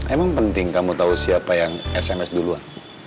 emang penting kamu tahu siapa yang sms duluan